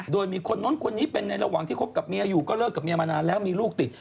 โดยมีคนนู้นคนนี้เป็นในระหว่างที่คบกับเมียอยู่ก็เลิกกับเมียมานานแล้วมีลูกติด